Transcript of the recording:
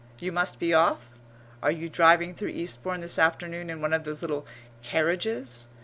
You must be off? Are you driving through Eastbourne this afternoon in one of those little carriages?